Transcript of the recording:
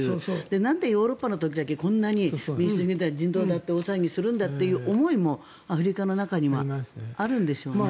なんでヨーロッパの時だけこんなに民主主義だ人道だって大騒ぎするんだという思いもアフリカの中にはあるんでしょうね。